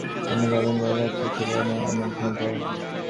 আমি যা ভালোবাসি নে, যা ইচ্ছা করি নে, আমি যে তাও।